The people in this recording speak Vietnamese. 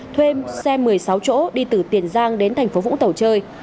thuê xe một mươi sáu chỗ đi từ tiền giang đến thành phố vũng tàu chơi